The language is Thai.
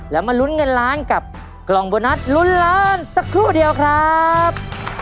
แล้วมาลุ้นเงินล้านกับกล่องโบนัสลุ้นล้านสักครู่เดียวครับ